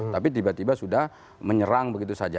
tapi tiba tiba sudah menyerang begitu saja